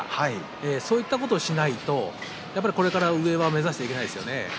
そういったことをしないとこれから上は目指していけないですよね。